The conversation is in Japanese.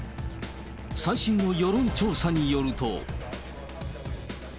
最新の世論調査によると。